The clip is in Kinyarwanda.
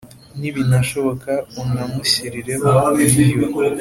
nibinashoboka unamushyirireho ibiryo,